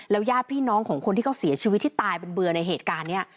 ญาติพี่น้องของคนที่เขาเสียชีวิตที่ตายเป็นเบื่อในเหตุการณ์นี้